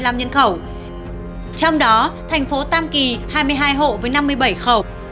trong đó thành phố tam kỳ hai mươi hai hộ với năm mươi bảy khẩu